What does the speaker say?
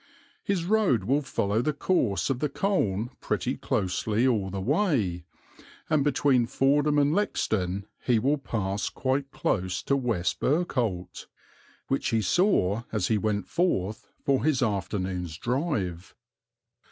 His road will follow the course of the Colne pretty closely all the way, and between Fordham and Lexden he will pass quite close to West Bergholt, which he saw as he went forth for his afternoon's drive.